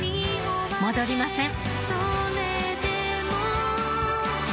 戻りません